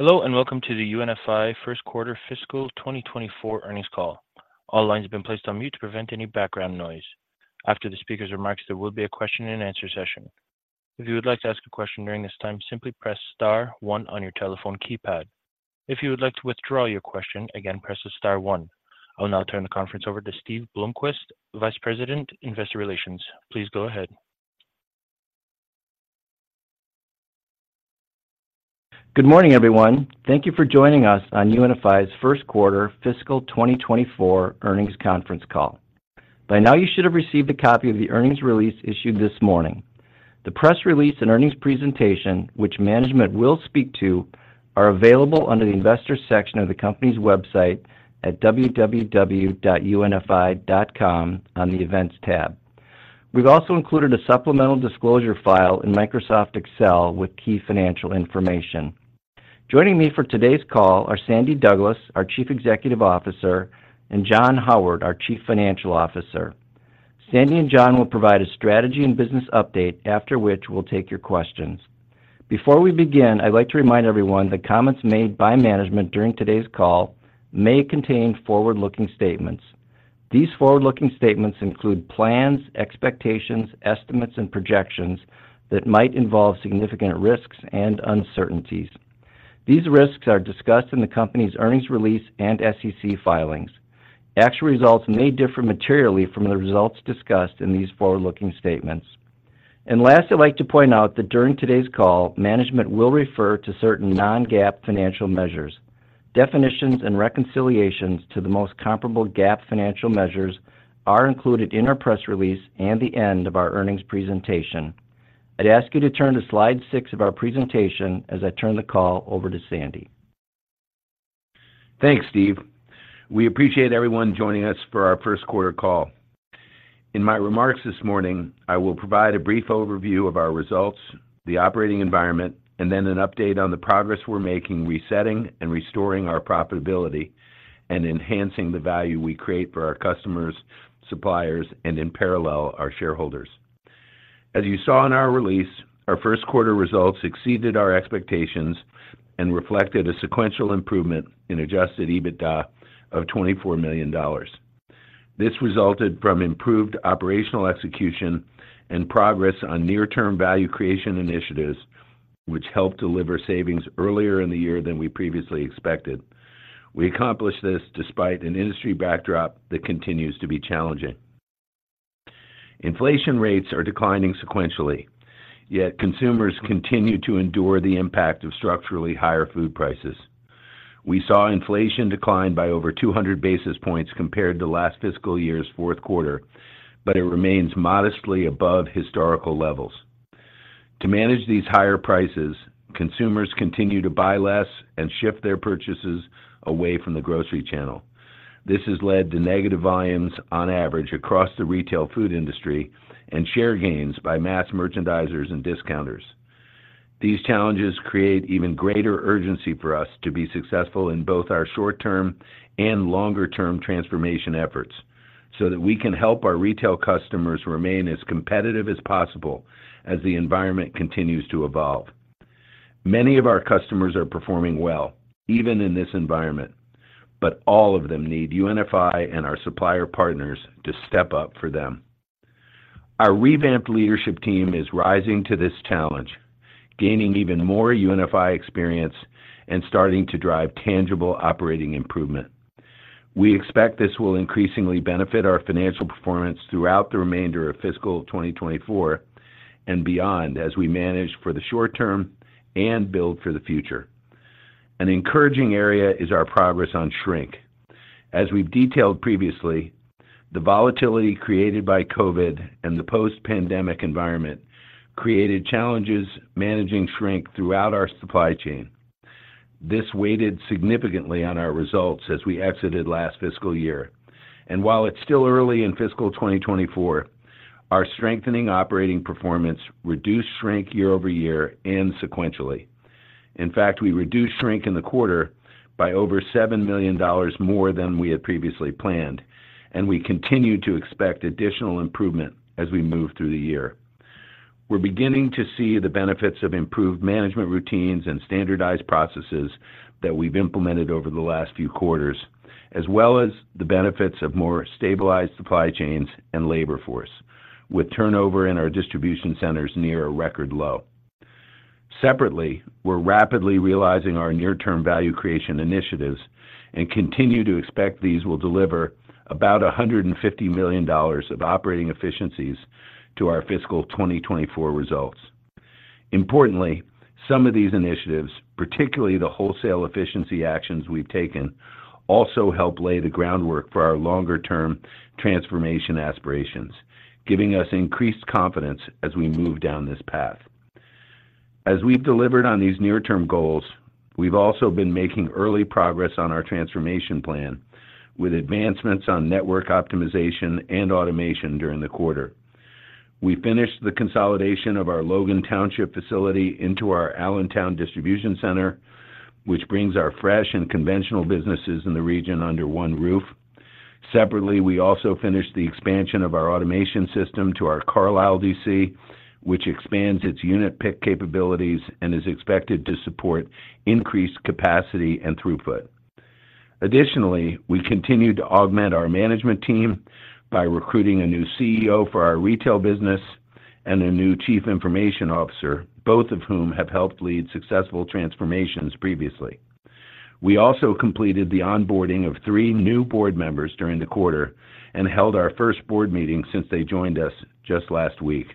Hello, and welcome to the UNFI First Quarter Fiscal 2024 earnings call. All lines have been placed on mute to prevent any background noise. After the speaker's remarks, there will be a question and answer session. If you would like to ask a question during this time, simply press star one on your telephone keypad. If you would like to withdraw your question, again, press star one. I will now turn the conference over to Steve Bloomquist, Vice President, Investor Relations. Please go ahead. Good morning, everyone. Thank you for joining us on UNFI's first quarter fiscal 2024 earnings conference call. By now, you should have received a copy of the earnings release issued this morning. The press release and earnings presentation, which management will speak to, are available under the Investors section of the company's website at www.unfi.com on the Events tab. We've also included a supplemental disclosure file in Microsoft Excel with key financial information. Joining me for today's call are Sandy Douglas, our Chief Executive Officer, and John Howard, our Chief Financial Officer. Sandy and John will provide a strategy and business update, after which we'll take your questions. Before we begin, I'd like to remind everyone that comments made by management during today's call may contain forward-looking statements. These forward-looking statements include plans, expectations, estimates, and projections that might involve significant risks and uncertainties. These risks are discussed in the company's earnings release and SEC filings. Actual results may differ materially from the results discussed in these forward-looking statements. Last, I'd like to point out that during today's call, management will refer to certain non-GAAP financial measures. Definitions and reconciliations to the most comparable GAAP financial measures are included in our press release and the end of our earnings presentation. I'd ask you to turn to slide six of our presentation as I turn the call over to Sandy. Thanks, Steve. We appreciate everyone joining us for our first quarter call. In my remarks this morning, I will provide a brief overview of our results, the operating environment, and then an update on the progress we're making, resetting and restoring our profitability, and enhancing the value we create for our customers, suppliers, and in parallel, our shareholders. As you saw in our release, our first quarter results exceeded our expectations and reflected a sequential improvement in Adjusted EBITDA of $24 million. This resulted from improved operational execution and progress on near-term value creation initiatives, which helped deliver savings earlier in the year than we previously expected. We accomplished this despite an industry backdrop that continues to be challenging. Inflation rates are declining sequentially, yet consumers continue to endure the impact of structurally higher food prices. We saw inflation decline by over 200 basis points compared to last fiscal year's fourth quarter, but it remains modestly above historical levels. To manage these higher prices, consumers continue to buy less and shift their purchases away from the grocery channel. This has led to negative volumes on average across the retail food industry and share gains by mass merchandisers and discounters. These challenges create even greater urgency for us to be successful in both our short-term and longer-term transformation efforts, so that we can help our retail customers remain as competitive as possible as the environment continues to evolve. Many of our customers are performing well, even in this environment, but all of them need UNFI and our supplier partners to step up for them. Our revamped leadership team is rising to this challenge, gaining even more UNFI experience and starting to drive tangible operating improvement. We expect this will increasingly benefit our financial performance throughout the remainder of fiscal 2024 and beyond as we manage for the short term and build for the future. An encouraging area is our progress on shrink. As we've detailed previously, the volatility created by COVID and the post-pandemic environment created challenges managing shrink throughout our supply chain. This weighed significantly on our results as we exited last fiscal year. While it's still early in fiscal 2024, our strengthening operating performance reduced shrink year-over-year and sequentially. In fact, we reduced shrink in the quarter by over $7 million more than we had previously planned, and we continue to expect additional improvement as we move through the year. We're beginning to see the benefits of improved management routines and standardized processes that we've implemented over the last few quarters, as well as the benefits of more stabilized supply chains and labor force, with turnover in our distribution centers near a record low. Separately, we're rapidly realizing our near-term value creation initiatives and continue to expect these will deliver about $150 million of operating efficiencies to our fiscal 2024 results. Importantly, some of these initiatives, particularly the wholesale efficiency actions we've taken, also help lay the groundwork for our longer term transformation aspirations, giving us increased confidence as we move down this path. As we've delivered on these near-term goals, we've also been making early progress on our transformation plan, with advancements on network optimization and automation during the quarter. We finished the consolidation of our Logan Township facility into our Allentown distribution center, which brings our fresh and conventional businesses in the region under one roof. Separately, we also finished the expansion of our automation system to our Carlisle DC, which expands its unit pick capabilities and is expected to support increased capacity and throughput. Additionally, we continue to augment our management team by recruiting a new CEO for our retail business and a new Chief Information Officer, both of whom have helped lead successful transformations previously. We also completed the onboarding of three new board members during the quarter and held our first board meeting since they joined us just last week.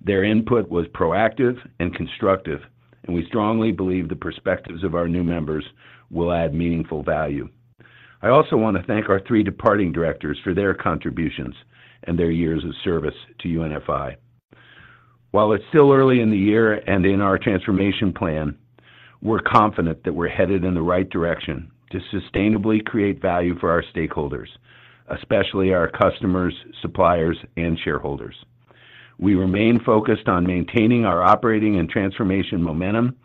Their input was proactive and constructive, and we strongly believe the perspectives of our new members will add meaningful value. I also want to thank our three departing directors for their contributions and their years of service to UNFI. While it's still early in the year and in our transformation plan, we're confident that we're headed in the right direction to sustainably create value for our stakeholders, especially our customers, suppliers, and shareholders. We remain focused on maintaining our operating and transformation momentum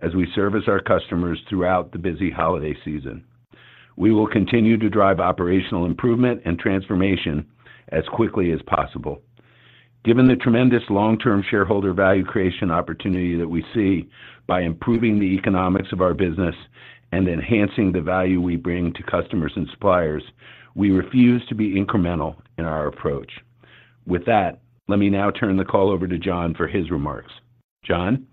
as we service our customers throughout the busy holiday season. We will continue to drive operational improvement and transformation as quickly as possible. Given the tremendous long-term shareholder value creation opportunity that we see by improving the economics of our business and enhancing the value we bring to customers and suppliers, we refuse to be incremental in our approach. With that, let me now turn the call over to John for his remarks. John?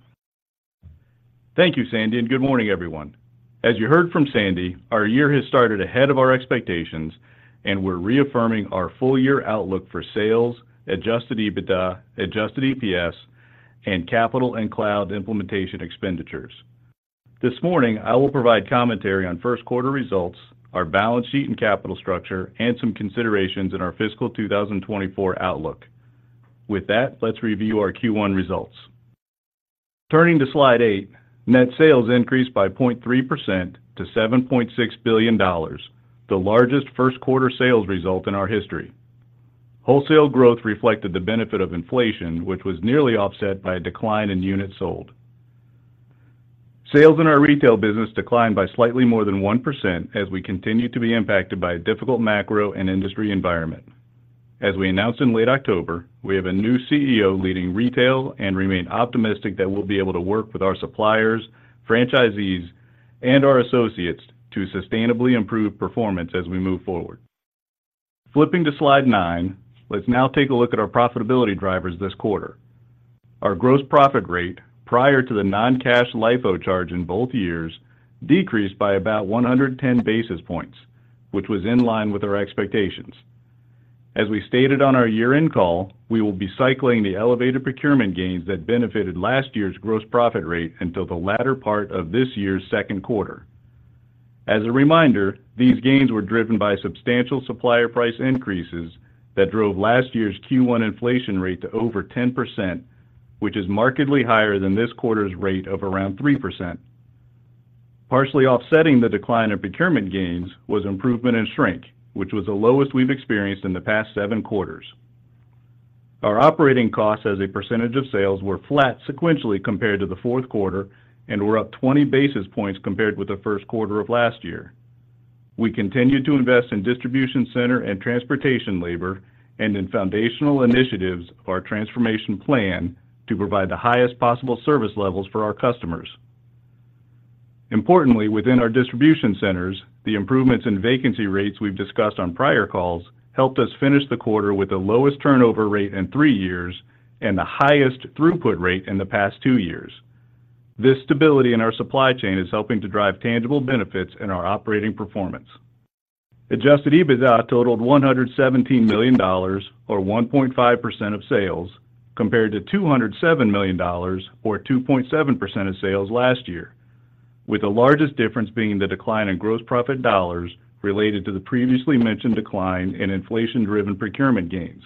Thank you, Sandy, and good morning, everyone. As you heard from Sandy, our year has started ahead of our expectations, and we're reaffirming our full year outlook for sales, Adjusted EBITDA, Adjusted EPS, and capital and cloud implementation expenditures. This morning, I will provide commentary on first quarter results, our balance sheet and capital structure, and some considerations in our fiscal 2024 outlook. With that, let's review our Q1 results. Turning to Slide 8, net sales increased by 0.3% to $7.6 billion, the largest first quarter sales result in our history. Wholesale growth reflected the benefit of inflation, which was nearly offset by a decline in units sold. Sales in our retail business declined by slightly more than 1% as we continue to be impacted by a difficult macro and industry environment. As we announced in late October, we have a new CEO leading retail and remain optimistic that we'll be able to work with our suppliers, franchisees, and our associates to sustainably improve performance as we move forward. Flipping to Slide 9, let's now take a look at our profitability drivers this quarter. Our gross profit rate, prior to the non-cash LIFO charge in both years, decreased by about 110 basis points, which was in line with our expectations. As we stated on our year-end call, we will be cycling the elevated procurement gains that benefited last year's gross profit rate until the latter part of this year's second quarter. As a reminder, these gains were driven by substantial supplier price increases that drove last year's Q1 inflation rate to over 10%, which is markedly higher than this quarter's rate of around 3%. Partially offsetting the decline in procurement gains was improvement in shrink, which was the lowest we've experienced in the past 7 quarters. Our operating costs as a percentage of sales were flat sequentially compared to the fourth quarter and were up 20 basis points compared with the first quarter of last year. We continued to invest in distribution center and transportation labor and in foundational initiatives of our transformation plan to provide the highest possible service levels for our customers. Importantly, within our distribution centers, the improvements in vacancy rates we've discussed on prior calls helped us finish the quarter with the lowest turnover rate in 3 years and the highest throughput rate in the past 2 years. This stability in our supply chain is helping to drive tangible benefits in our operating performance. Adjusted EBITDA totaled $117 million or 1.5% of sales, compared to $207 million or 2.7% of sales last year, with the largest difference being the decline in gross profit dollars related to the previously mentioned decline in inflation-driven procurement gains.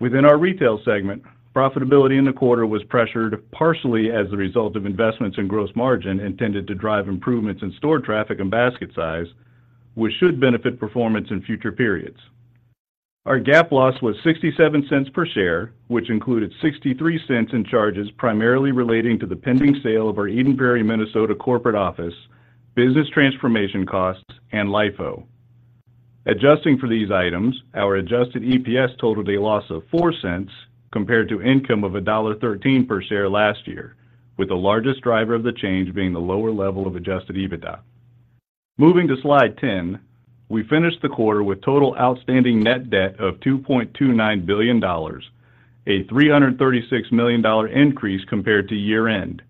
Within our retail segment, profitability in the quarter was pressured partially as a result of investments in gross margin intended to drive improvements in store traffic and basket size, which should benefit performance in future periods. Our GAAP loss was $0.67 per share, which included $0.63 in charges, primarily relating to the pending sale of our Eden Prairie, Minnesota, corporate office, business transformation costs, and LIFO. Adjusting for these items, our adjusted EPS totaled a loss of $0.04 compared to income of $1.13 per share last year, with the largest driver of the change being the lower level of adjusted EBITDA. Moving to Slide 10, we finished the quarter with total outstanding net debt of $2.29 billion, a $336 million increase compared to year-end.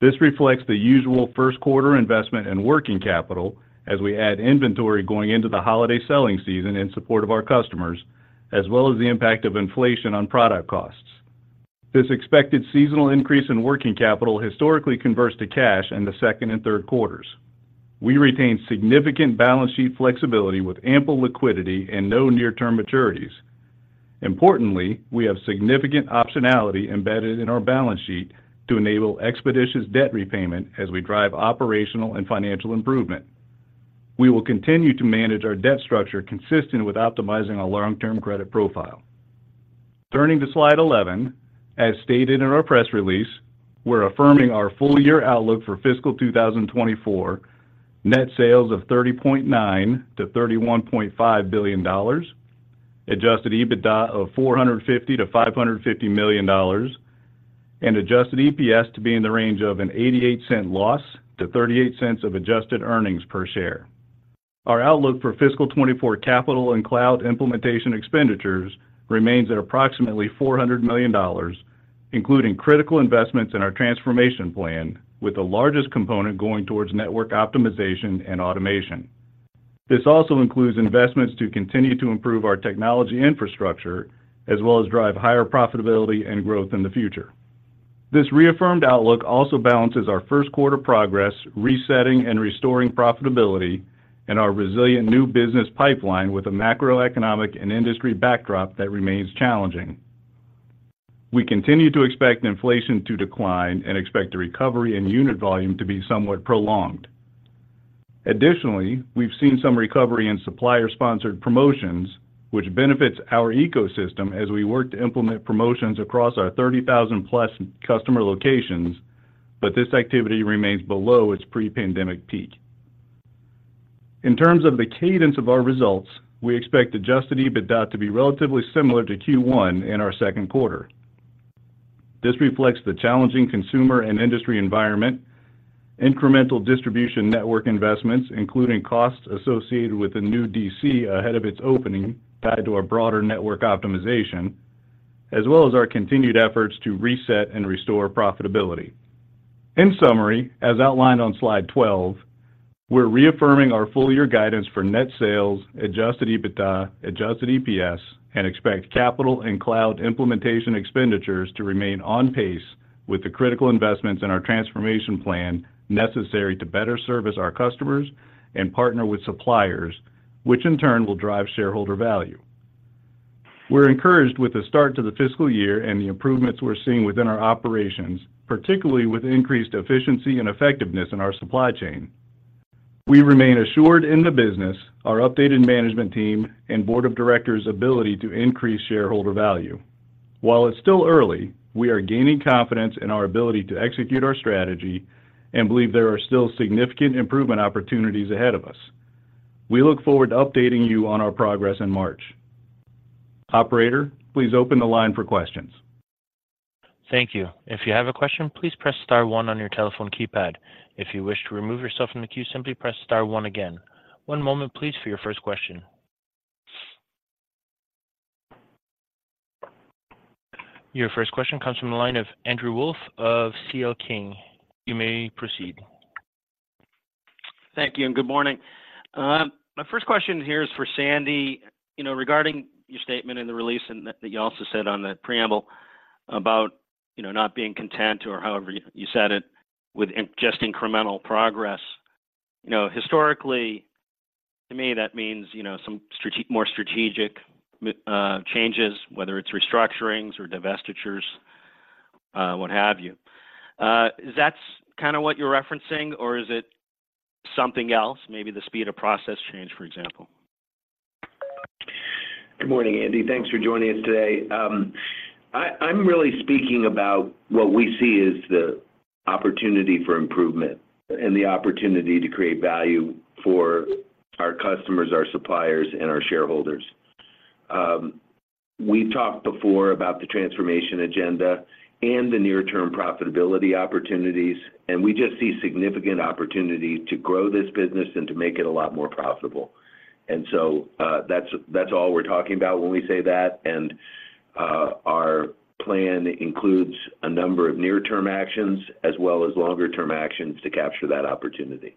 This reflects the usual first quarter investment in working capital as we add inventory going into the holiday selling season in support of our customers, as well as the impact of inflation on product costs. This expected seasonal increase in working capital historically converts to cash in the second and third quarters. We retain significant balance sheet flexibility with ample liquidity and no near-term maturities. Importantly, we have significant optionality embedded in our balance sheet to enable expeditious debt repayment as we drive operational and financial improvement. We will continue to manage our debt structure consistent with optimizing our long-term credit profile. Turning to Slide 11, as stated in our press release, we're affirming our full year outlook for fiscal 2024, net sales of $30.9 billion-$31.5 billion, adjusted EBITDA of $450 million-$550 million, and adjusted EPS to be in the range of an $0.88 loss to $0.38 of adjusted earnings per share. Our outlook for fiscal 2024 capital and cloud implementation expenditures remains at approximately $400 million, including critical investments in our transformation plan, with the largest component going towards network optimization and automation. This also includes investments to continue to improve our technology infrastructure, as well as drive higher profitability and growth in the future. This reaffirmed outlook also balances our first quarter progress, resetting and restoring profitability, and our resilient new business pipeline with a macroeconomic and industry backdrop that remains challenging. We continue to expect inflation to decline and expect the recovery in unit volume to be somewhat prolonged. Additionally, we've seen some recovery in supplier-sponsored promotions, which benefits our ecosystem as we work to implement promotions across our 30,000-plus customer locations, but this activity remains below its pre-pandemic peak. In terms of the cadence of our results, we expect Adjusted EBITDA to be relatively similar to Q1 in our second quarter. This reflects the challenging consumer and industry environment, incremental distribution network investments, including costs associated with the new DC ahead of its opening, tied to our broader network optimization, as well as our continued efforts to reset and restore profitability. In summary, as outlined on Slide 12, we're reaffirming our full year guidance for net sales, Adjusted EBITDA, Adjusted EPS, and expect capital and cloud implementation expenditures to remain on pace with the critical investments in our transformation plan necessary to better service our customers and partner with suppliers, which in turn will drive shareholder value. We're encouraged with the start to the fiscal year and the improvements we're seeing within our operations, particularly with increased efficiency and effectiveness in our supply chain. We remain assured in the business, our updated management team, and board of directors' ability to increase shareholder value. While it's still early, we are gaining confidence in our ability to execute our strategy and believe there are still significant improvement opportunities ahead of us. We look forward to updating you on our progress in March. Operator, please open the line for questions. Thank you. If you have a question, please press star one on your telephone keypad. If you wish to remove yourself from the queue, simply press star one again. One moment please, for your first question. Your first question comes from the line of Andrew Wolf of CL King. You may proceed. Thank you, and good morning. My first question here is for Sandy. You know, regarding your statement in the release and that you also said on the preamble about, you know, not being content or however you, you said it, with just incremental progress. You know, historically, to me, that means, you know, some more strategic changes, whether it's restructurings or divestitures, what have you. Is that kind of what you're referencing, or is it something else? Maybe the speed of process change, for example. Good morning, Andy. Thanks for joining us today. I'm really speaking about what we see as the opportunity for improvement and the opportunity to create value for our customers, our suppliers, and our shareholders. We've talked before about the transformation agenda and the near-term profitability opportunities, and we just see significant opportunity to grow this business and to make it a lot more profitable. And so, that's all we're talking about when we say that, and our plan includes a number of near-term actions as well as longer-term actions to capture that opportunity.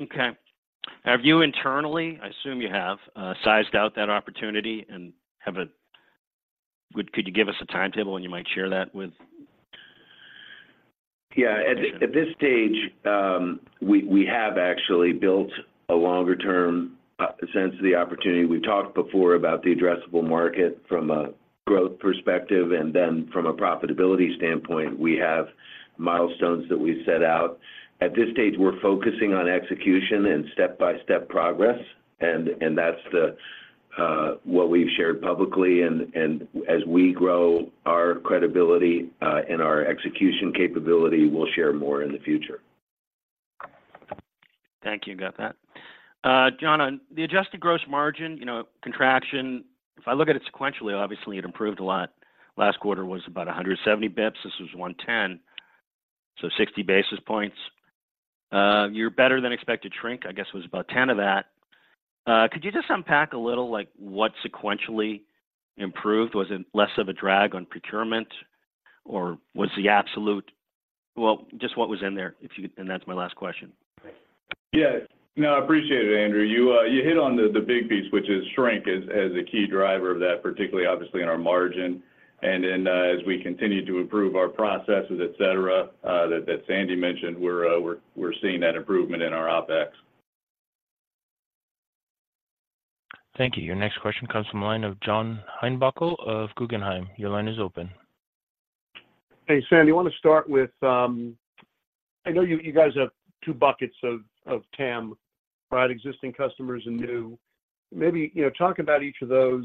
Okay. Have you internally, I assume you have, sized out that opportunity and have a... Could you give us a timetable when you might share that with? Yeah. At this stage, we have actually built a longer-term sense of the opportunity. We've talked before about the addressable market from a growth perspective, and then from a profitability standpoint, we have milestones that we set out. At this stage, we're focusing on execution and step-by-step progress, and that's what we've shared publicly, and as we grow our credibility and our execution capability, we'll share more in the future. Thank you. Got that. John, on the adjusted gross margin, you know, contraction, if I look at it sequentially, obviously it improved a lot. Last quarter was about 170 basis points, this was 110, so 60 basis points. Your better-than-expected shrink, I guess, was about 10 of that. Could you just unpack a little, like, what sequentially improved? Was it less of a drag on procurement, or was the absolute... Well, just what was in there, if you could? And that's my last question. Yeah. No, I appreciate it, Andrew. You hit on the big piece, which is shrink as a key driver of that, particularly obviously in our margin. And then, as we continue to improve our processes, et cetera, that Sandy mentioned, we're seeing that improvement in our OpEx. Thank you. Your next question comes from the line of John Heinbockel of Guggenheim. Your line is open.... Hey, Sam, you want to start with, I know you guys have two buckets of TAM, right? Existing customers and new. Maybe, you know, talk about each of those.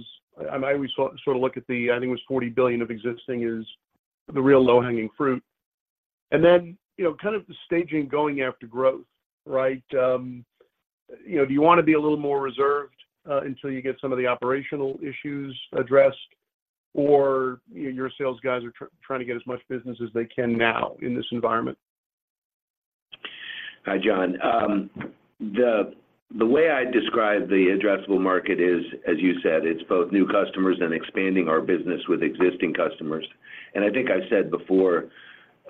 I always sort of look at the, I think it was $40 billion of existing is the real low-hanging fruit. And then, you know, kind of the staging going after growth, right? You know, do you want to be a little more reserved until you get some of the operational issues addressed? Or your sales guys are trying to get as much business as they can now in this environment? Hi, John. The way I describe the addressable market is, as you said, it's both new customers and expanding our business with existing customers. And I think I've said before,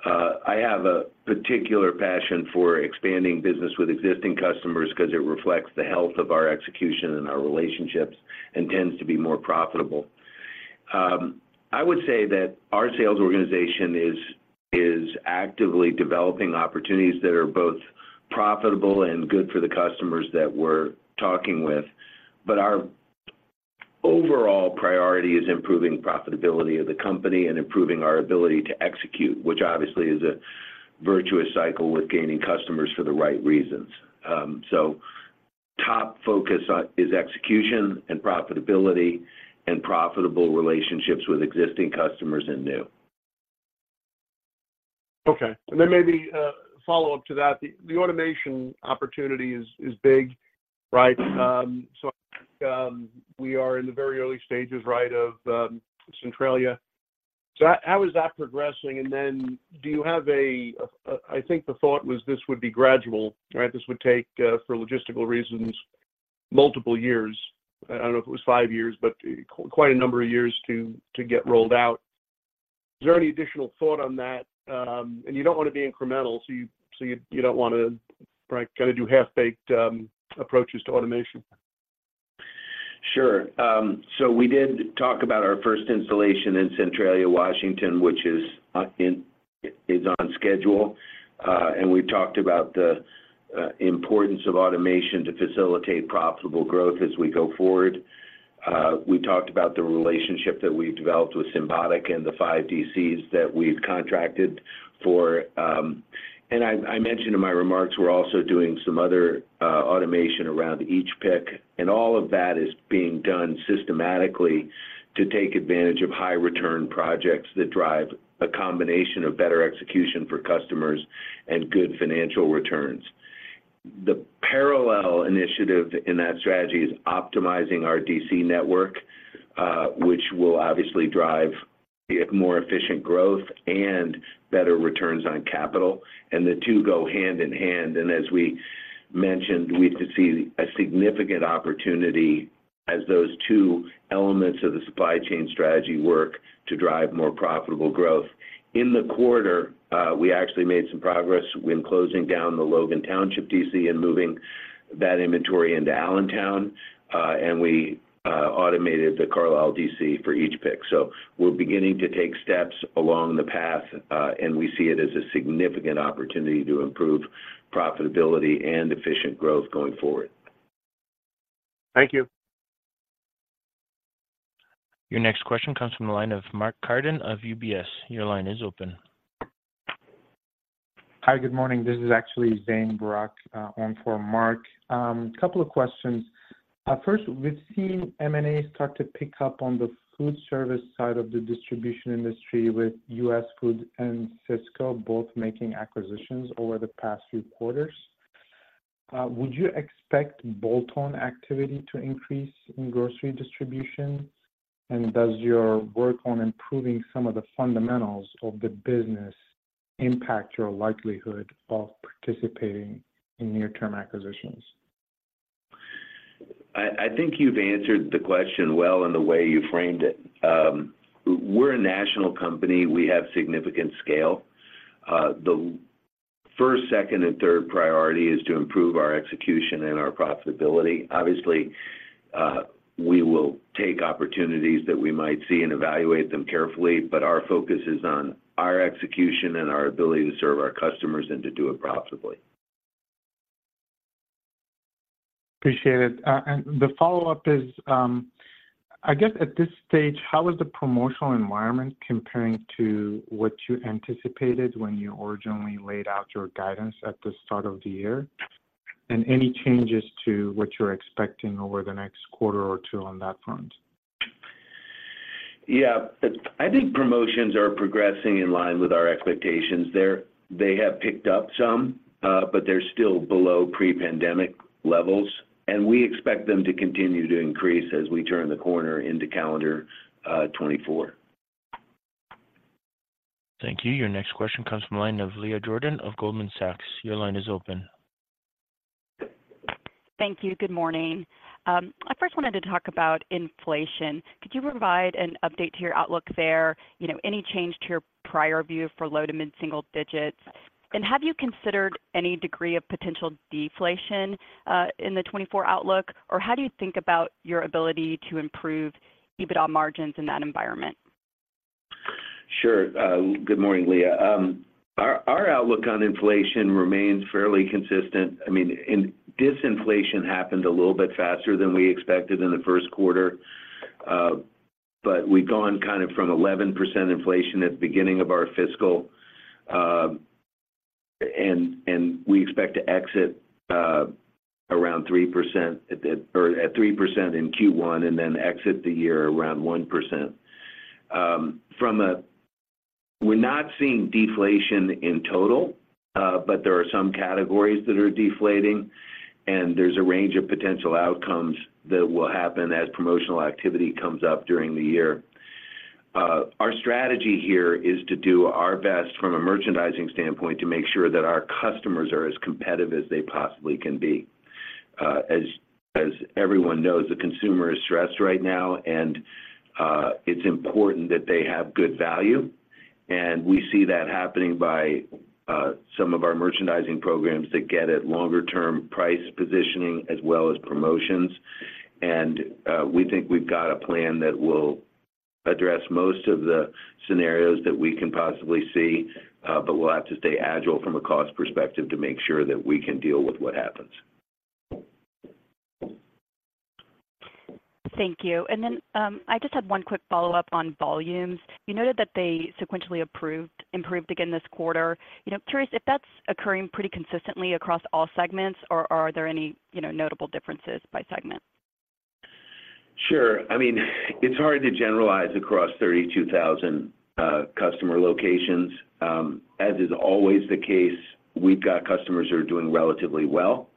I have a particular passion for expanding business with existing customers because it reflects the health of our execution and our relationships and tends to be more profitable. I would say that our sales organization is actively developing opportunities that are both profitable and good for the customers that we're talking with. But our overall priority is improving profitability of the company and improving our ability to execute, which obviously is a virtuous cycle with gaining customers for the right reasons. So top focus on is execution and profitability and profitable relationships with existing customers and new. Okay. And then maybe, follow-up to that, the automation opportunity is big, right? So, we are in the very early stages, right, of Centralia. So how is that progressing? And then do you have a... I think the thought was this would be gradual, right? This would take, for logistical reasons, multiple years. I don't know if it was five years, but quite a number of years to get rolled out. Is there any additional thought on that? And you don't want to be incremental, so you don't want to, right, kind of do half-baked approaches to automation. Sure. So we did talk about our first installation in Centralia, Washington, which is on schedule. And we talked about the importance of automation to facilitate profitable growth as we go forward. We talked about the relationship that we've developed with Symbotic and the five DCs that we've contracted for. And I mentioned in my remarks, we're also doing some other automation around each pick, and all of that is being done systematically to take advantage of high-return projects that drive a combination of better execution for customers and good financial returns. The parallel initiative in that strategy is optimizing our DC network, which will obviously drive a more efficient growth and better returns on capital, and the two go hand in hand. As we mentioned, we see a significant opportunity as those two elements of the supply chain strategy work to drive more profitable growth. In the quarter, we actually made some progress when closing down the Logan Township DC and moving that inventory into Allentown, and we automated the Carlisle DC for each pick. We're beginning to take steps along the path, and we see it as a significant opportunity to improve profitability and efficient growth going forward. Thank you. Your next question comes from the line of Mark Carden of UBS. Your line is open. Hi, good morning. This is actually Zain Akbari, on for Mark. Couple of questions. First, we've seen M&A start to pick up on the food service side of the distribution industry, with US Foods and Sysco both making acquisitions over the past few quarters. Would you expect bolt-on activity to increase in grocery distribution? And does your work on improving some of the fundamentals of the business impact your likelihood of participating in near-term acquisitions? I think you've answered the question well in the way you framed it. We're a national company. We have significant scale. The first, second, and third priority is to improve our execution and our profitability. Obviously, we will take opportunities that we might see and evaluate them carefully, but our focus is on our execution and our ability to serve our customers and to do it profitably. Appreciate it. The follow-up is, I guess at this stage, how is the promotional environment comparing to what you anticipated when you originally laid out your guidance at the start of the year? Any changes to what you're expecting over the next quarter or two on that front? Yeah. I think promotions are progressing in line with our expectations. They have picked up some, but they're still below pre-pandemic levels, and we expect them to continue to increase as we turn the corner into calendar 2024. Thank you. Your next question comes from the line of Leah Jordan of Goldman Sachs. Your line is open. Thank you. Good morning. I first wanted to talk about inflation. Could you provide an update to your outlook there? You know, any change to your prior view for low- to mid-single digits? And have you considered any degree of potential deflation in the 2024 outlook? Or how do you think about your ability to improve EBITDA margins in that environment? Sure. Good morning, Leah. Our outlook on inflation remains fairly consistent. I mean, disinflation happened a little bit faster than we expected in the first quarter, but we've gone kind of from 11% inflation at the beginning of our fiscal, and we expect to exit around 3% or at 3% in Q1 and then exit the year around 1%. From a-- we're not seeing deflation in total, but there are some categories that are deflating, and there's a range of potential outcomes that will happen as promotional activity comes up during the year. Our strategy here is to do our best from a merchandising standpoint, to make sure that our customers are as competitive as they possibly can be. As everyone knows, the consumer is stressed right now, and it's important that they have good value, and we see that happening by some of our merchandising programs that get at longer-term price positioning as well as promotions. We think we've got a plan that will address most of the scenarios that we can possibly see, but we'll have to stay agile from a cost perspective to make sure that we can deal with what happens. Thank you. And then, I just had one quick follow-up on volumes. You noted that they sequentially improved again this quarter. You know, I'm curious if that's occurring pretty consistently across all segments or are there any, you know, notable differences by segment? Sure. I mean, it's hard to generalize across 32,000 customer locations. As is always the case, we've got customers who are doing relatively well,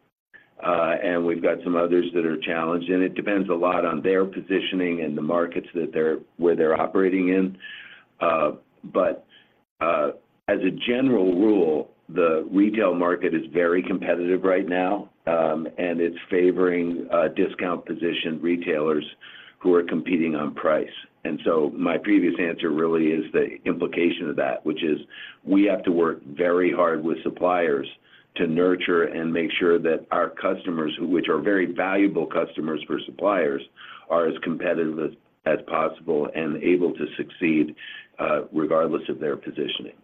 and we've got some others that are challenged, and it depends a lot on their positioning and the markets where they're operating in. But as a general rule, the retail market is very competitive right now, and it's favoring discount position retailers who are competing on price. And so my previous answer really is the implication of that, which is we have to work very hard with suppliers to nurture and make sure that our customers, which are very valuable customers for suppliers, are as competitive as possible and able to succeed, regardless of their positioning.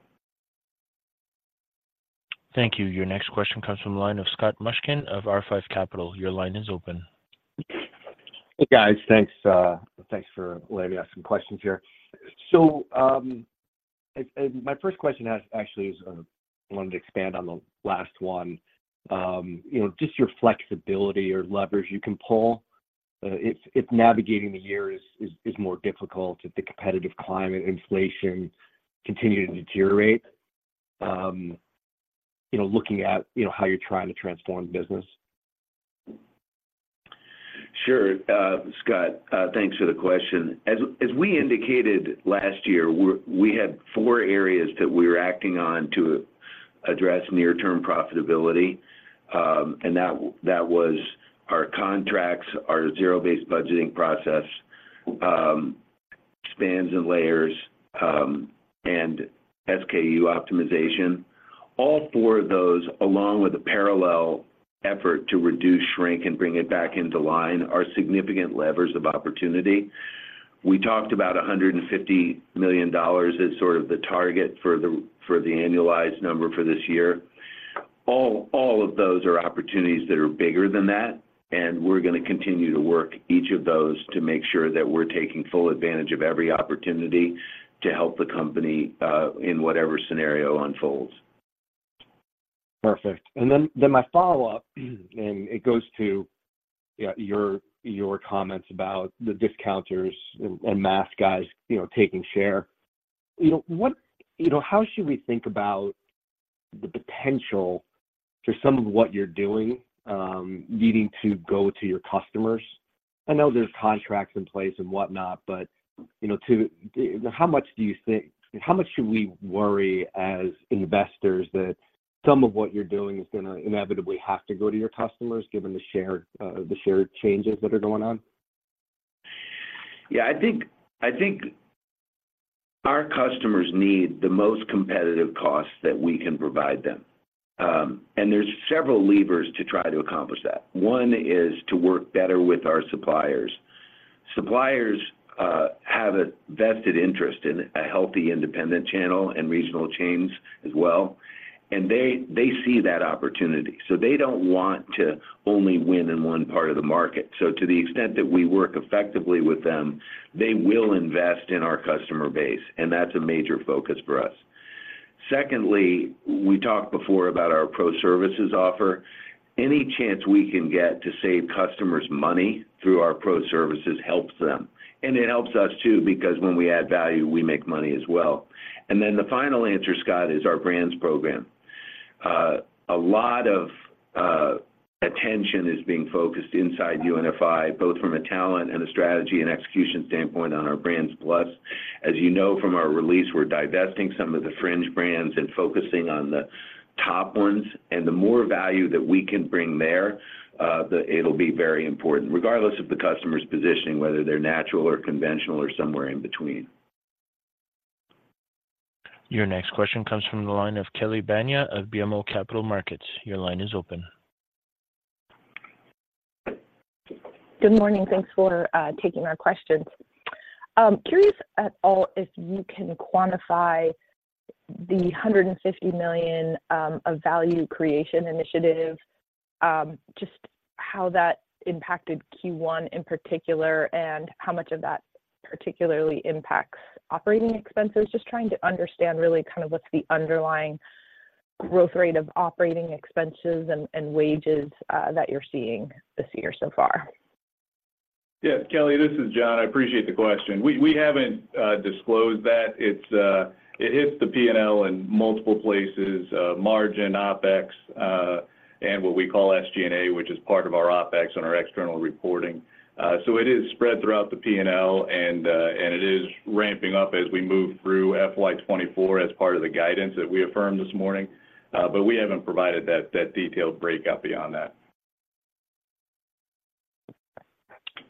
Thank you. Your next question comes from the line of Scott Mushkin of R5 Capital. Your line is open. Hey, guys. Thanks, thanks for letting me ask some questions here. So, my first question actually is, I wanted to expand on the last one. You know, just your flexibility or levers you can pull, if navigating the year is more difficult if the competitive climate inflation continue to deteriorate, you know, looking at, you know, how you're trying to transform the business. Sure, Scott, thanks for the question. As we indicated last year, we had four areas that we were acting on to address near-term profitability, and that was our contracts, our zero-based budgeting process, spans and layers, and SKU optimization. All four of those, along with a parallel effort to reduce shrink and bring it back into line, are significant levers of opportunity. We talked about $150 million as sort of the target for the annualized number for this year. All of those are opportunities that are bigger than that, and we're gonna continue to work each of those to make sure that we're taking full advantage of every opportunity to help the company in whatever scenario unfolds. Perfect. And then my follow-up, and it goes to your comments about the discounters and mass guys, you know, taking share. You know, what, you know, how should we think about the potential for some of what you're doing needing to go to your customers? I know there's contracts in place and whatnot, but, you know, to... How much do you think, how much should we worry as investors that some of what you're doing is gonna inevitably have to go to your customers, given the shared changes that are going on? Yeah, I think our customers need the most competitive costs that we can provide them. And there's several levers to try to accomplish that. One is to work better with our suppliers. Suppliers have a vested interest in a healthy, independent channel and regional chains as well, and they see that opportunity. So they don't want to only win in one part of the market. So to the extent that we work effectively with them, they will invest in our customer base, and that's a major focus for us. Secondly, we talked before about our Pro Services offer. Any chance we can get to save customers money through our Pro Services helps them, and it helps us too, because when we add value, we make money as well. And then the final answer, Scott, is our brands program. A lot of attention is being focused inside UNFI, both from a talent and a strategy and execution standpoint, on our Brands+. As you know from our release, we're divesting some of the fringe brands and focusing on the top ones, and the more value that we can bring there, it'll be very important regardless of the customer's positioning, whether they're natural or conventional or somewhere in between. Your next question comes from the line of Kelly Bania of BMO Capital Markets. Your line is open.... Good morning. Thanks for taking our questions. Curious at all, if you can quantify the $150 million of value creation initiative, just how that impacted Q1 in particular, and how much of that particularly impacts operating expenses? Just trying to understand really kind of what's the underlying growth rate of operating expenses and wages that you're seeing this year so far. Yeah, Kelly, this is John. I appreciate the question. We haven't disclosed that. It's it hits the P&L in multiple places, margin, OpEx, and what we call SG&A, which is part of our OpEx and our external reporting. So it is spread throughout the P&L, and it is ramping up as we move through FY 2024 as part of the guidance that we affirmed this morning. But we haven't provided that detailed breakout beyond that.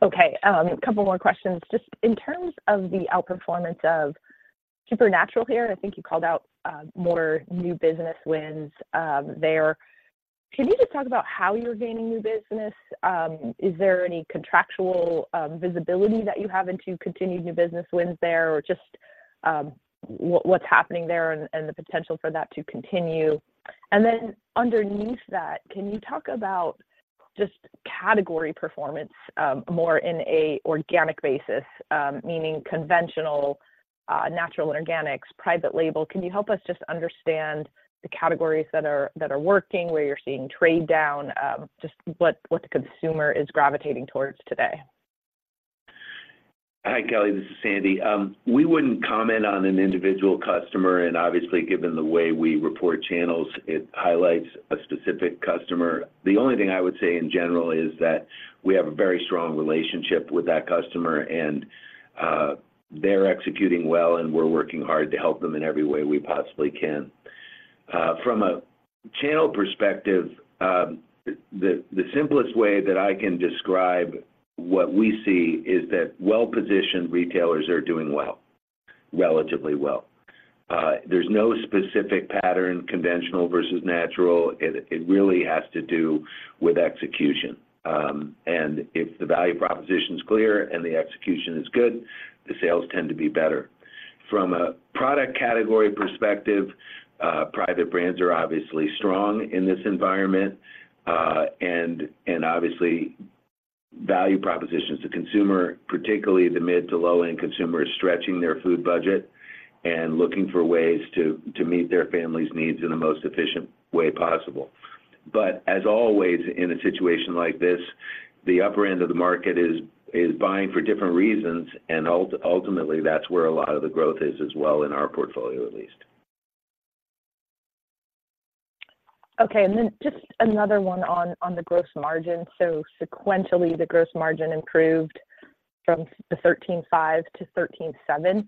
Okay, a couple more questions. Just in terms of the outperformance of Supernatural here, I think you called out, more new business wins, there. Can you just talk about how you're gaining new business? Is there any contractual, visibility that you have into continued new business wins there? Or just, what, what's happening there and, and the potential for that to continue. And then underneath that, can you talk about just category performance, more in a organic basis, meaning conventional, natural and organics, private label? Can you help us just understand the categories that are, that are working, where you're seeing trade down, just what, what the consumer is gravitating towards today? Hi, Kelly, this is Sandy. We wouldn't comment on an individual customer, and obviously, given the way we report channels, it highlights a specific customer. The only thing I would say in general is that we have a very strong relationship with that customer, and they're executing well, and we're working hard to help them in every way we possibly can. From a channel perspective, the simplest way that I can describe what we see is that well-positioned retailers are doing well, relatively well. There's no specific pattern, conventional versus natural. It really has to do with execution. And if the value proposition is clear and the execution is good, the sales tend to be better. From a product category perspective, private brands are obviously strong in this environment, and obviously, value propositions. The consumer, particularly the mid to low-end consumer, is stretching their food budget and looking for ways to meet their family's needs in the most efficient way possible. But as always, in a situation like this, the upper end of the market is buying for different reasons, and ultimately, that's where a lot of the growth is as well in our portfolio, at least. Okay, and then just another one on the gross margin. So sequentially, the gross margin improved from 13.5% to 13.7%.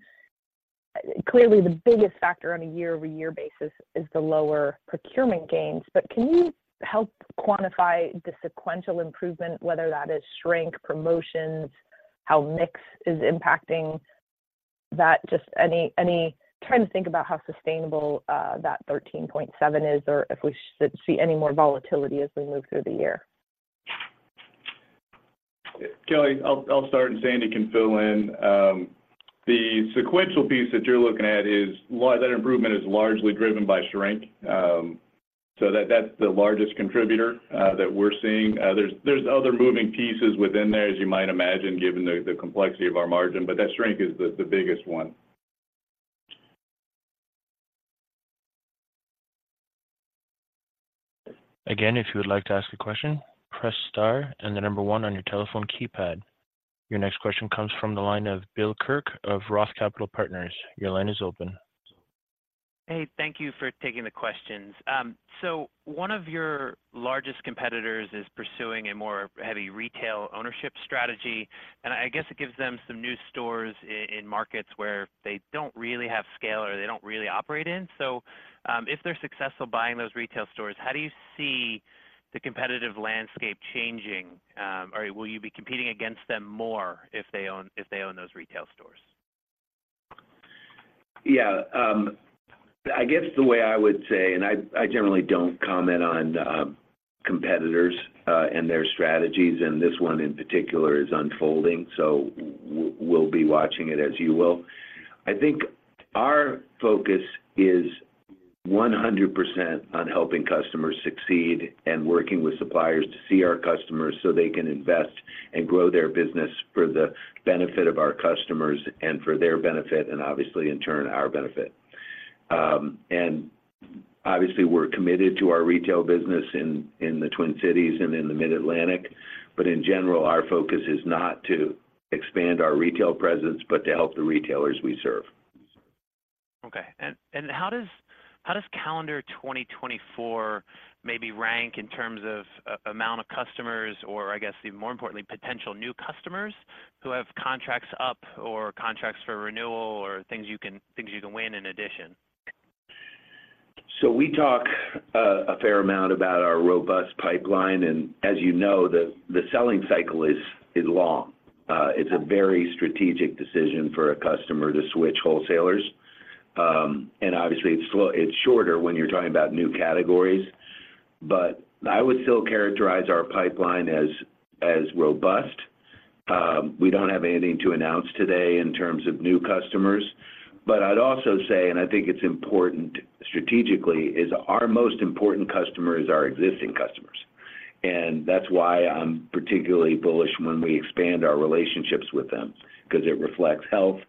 Clearly, the biggest factor on a year-over-year basis is the lower Procurement Gains. But can you help quantify the sequential improvement, whether that is Shrink, promotions, how mix is impacting that? Just any, trying to think about how sustainable that 13.7% is, or if we should see any more volatility as we move through the year. Kelly, I'll start, and Sandy can fill in. The sequential piece that you're looking at, that improvement, is largely driven by shrink. So that's the largest contributor that we're seeing. There's other moving pieces within there, as you might imagine, given the complexity of our margin, but that shrink is the biggest one. Again, if you would like to ask a question, press star and the number one on your telephone keypad. Your next question comes from the line of Bill Kirk of Roth Capital Partners. Your line is open. Hey, thank you for taking the questions. So one of your largest competitors is pursuing a more heavy retail ownership strategy, and I guess it gives them some new stores in markets where they don't really have scale or they don't really operate in. So, if they're successful buying those retail stores, how do you see the competitive landscape changing? Or will you be competing against them more if they own those retail stores? Yeah, I guess the way I would say, and I generally don't comment on competitors and their strategies, and this one in particular is unfolding, so we'll be watching it, as you will. I think our focus is 100% on helping customers succeed and working with suppliers to see our customers so they can invest and grow their business for the benefit of our customers and for their benefit, and obviously, in turn, our benefit. Obviously, we're committed to our retail business in the Twin Cities and in the Mid-Atlantic. But in general, our focus is not to expand our retail presence, but to help the retailers we serve. Okay. And how does calendar 2024 maybe rank in terms of amount of customers or, I guess, more importantly, potential new customers who have contracts up or contracts for renewal, or things you can, things you can win in addition? So we talk a fair amount about our robust pipeline, and as you know, the selling cycle is long. It's a very strategic decision for a customer to switch wholesalers. And obviously, it's slow, it's shorter when you're talking about new categories, but I would still characterize our pipeline as robust. We don't have anything to announce today in terms of new customers, but I'd also say, and I think it's important strategically, is our most important customers are existing customers. And that's why I'm particularly bullish when we expand our relationships with them, 'cause it reflects health.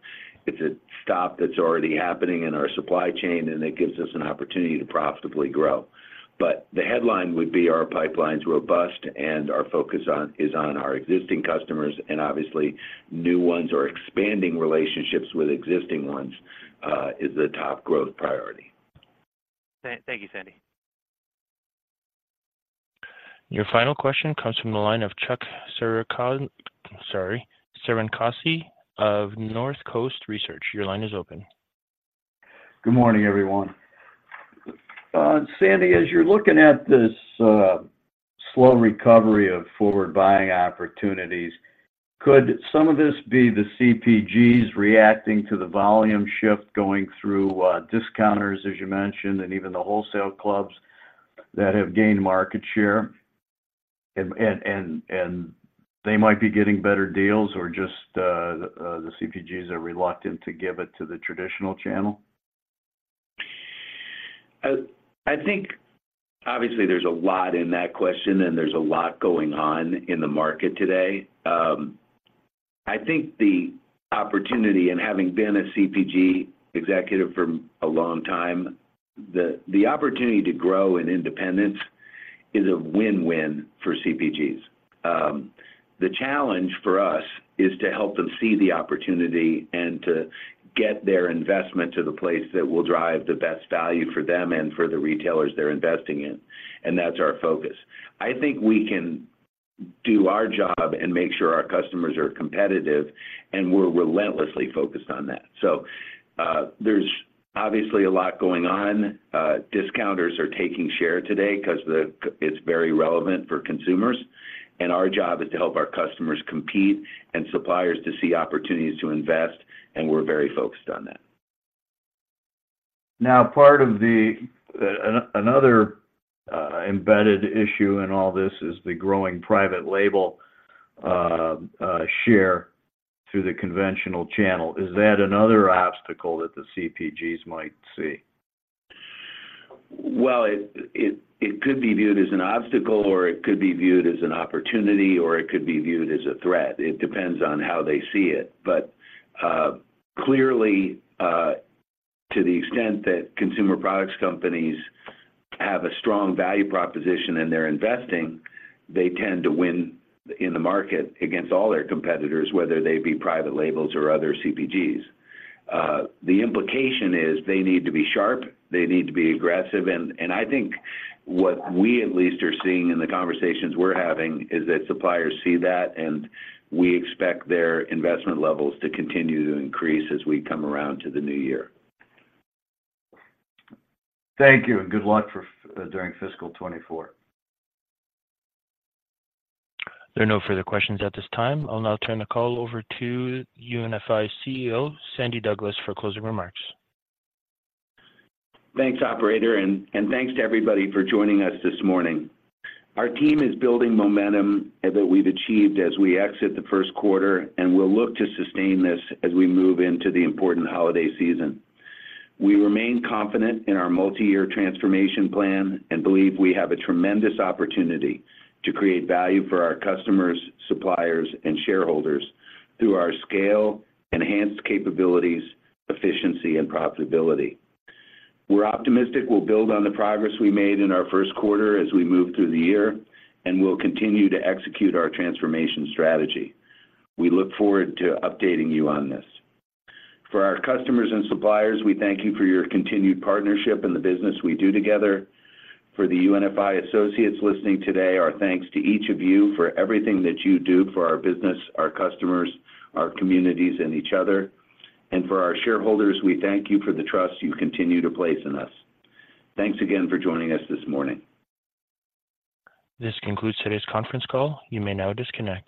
It's a stop that's already happening in our supply chain, and it gives us an opportunity to profitably grow. The headline would be, our pipeline's robust and our focus on is on our existing customers, and obviously, new ones or expanding relationships with existing ones, is the top growth priority. Thank you, Sandy. Your final question comes from the line of Chuck Cerankosky of North Coast Research. Your line is open. Good morning, everyone. Sandy, as you're looking at this slow recovery of forward buying opportunities, could some of this be the CPGs reacting to the volume shift going through discounters, as you mentioned, and even the wholesale clubs that have gained market share? And they might be getting better deals or just the CPGs are reluctant to give it to the traditional channel? I think obviously, there's a lot in that question, and there's a lot going on in the market today. I think the opportunity, and having been a CPG executive for a long time, the opportunity to grow in independence is a win-win for CPGs. The challenge for us is to help them see the opportunity and to get their investment to the place that will drive the best value for them and for the retailers they're investing in, and that's our focus. I think we can do our job and make sure our customers are competitive, and we're relentlessly focused on that. So, there's obviously a lot going on. Discounters are taking share today 'cause it's very relevant for consumers, and our job is to help our customers compete and suppliers to see opportunities to invest, and we're very focused on that. Now, part of the another embedded issue in all this is the growing private label share through the conventional channel. Is that another obstacle that the CPGs might see? Well, it could be viewed as an obstacle, or it could be viewed as an opportunity, or it could be viewed as a threat. It depends on how they see it. But clearly, to the extent that consumer products companies have a strong value proposition and they're investing, they tend to win in the market against all their competitors, whether they be private labels or other CPGs. The implication is they need to be sharp, they need to be aggressive, and I think what we at least are seeing in the conversations we're having is that suppliers see that, and we expect their investment levels to continue to increase as we come around to the new year. Thank you, and good luck for during fiscal 2024. There are no further questions at this time. I'll now turn the call over to UNFI's CEO, Sandy Douglas, for closing remarks. Thanks, operator, and thanks to everybody for joining us this morning. Our team is building momentum that we've achieved as we exit the first quarter, and we'll look to sustain this as we move into the important holiday season. We remain confident in our multi-year transformation plan and believe we have a tremendous opportunity to create value for our customers, suppliers, and shareholders through our scale, enhanced capabilities, efficiency, and profitability. We're optimistic we'll build on the progress we made in our first quarter as we move through the year, and we'll continue to execute our transformation strategy. We look forward to updating you on this. For our customers and suppliers, we thank you for your continued partnership and the business we do together. For the UNFI associates listening today, our thanks to each of you for everything that you do for our business, our customers, our communities, and each other. For our shareholders, we thank you for the trust you continue to place in us. Thanks again for joining us this morning. This concludes today's conference call. You may now disconnect.